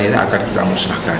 akhirnya akan kita musnahkan